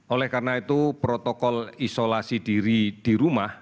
oleh karena itu protokol isolasi diri di rumah